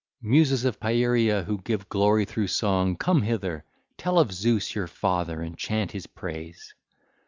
1 10) Muses of Pieria who give glory through song, come hither, tell of Zeus your father and chant his praise.